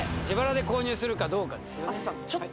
自腹で購入するかどうかですよね